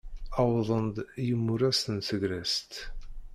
Uwḍen-d yimuras n tegrest.